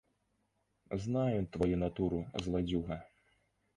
Знаю тваю натуру, зладзюга!